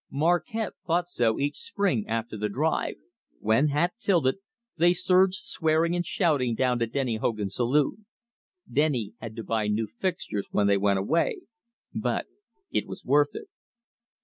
Marquette thought so each spring after the drive, when, hat tilted, they surged swearing and shouting down to Denny Hogan's saloon. Denny had to buy new fixtures when they went away; but it was worth it.